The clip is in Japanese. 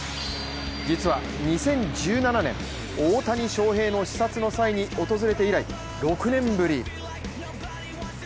実は２０１７年、大谷翔平の視察の際に訪れて以来６年ぶり。